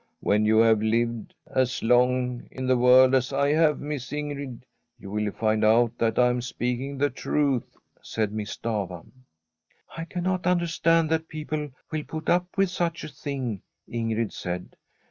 ' When you have lived as long in the world as I have, Miss Ingrid, you will find out that I am speaking the truth/ said Miss Stafva. ' I cannot understand that people will put up with such a thing/ Ingrid said.